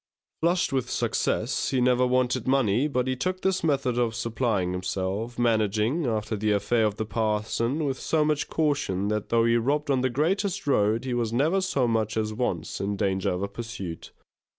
Flushed with this success, he never wanted money but he took this method of supplying himself, managing, after the affair of the parson, with so much caution that though he robbed on the greatest road, he was never so much as once in danger of a pursuit.